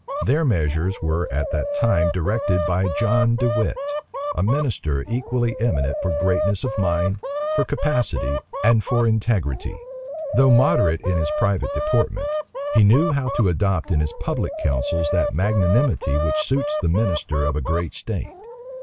Their measures were at that time directed by John de Wit, a minister equally eminent for greatness of mind, for capacity, and for integrity. Though moderate in his private deportment, he knew how to adopt in his public counsels that magnanimity which suits the minister of a great state.